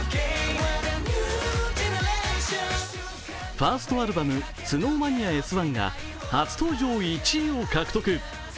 ファーストアルバム「ＳｎｏｗＭａｎｉａＳ１」が初登場１位を獲得。